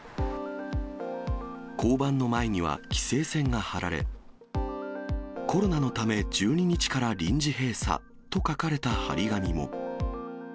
交番の前には、規制線が張られ、コロナのため１２日から臨時閉鎖と書かれた貼り紙も。